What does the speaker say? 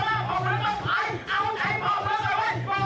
โนติไบรไบจะตามถับหลุม